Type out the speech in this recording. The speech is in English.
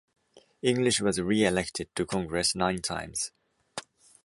English was re-elected to Congress nine times.